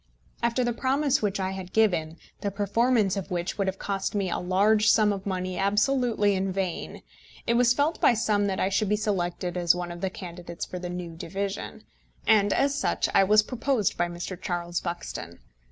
After the promise which I had given, the performance of which would have cost me a large sum of money absolutely in vain, it was felt by some that I should be selected as one of the candidates for the new division, and as such I was proposed by Mr. Charles Buxton.